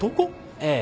ええ。